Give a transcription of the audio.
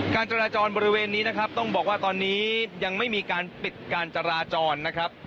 การจราจรบริเวณนี้นะครับต้องบอกว่าตอนนี้ยังไม่มีการปิดการจราจรนะครับ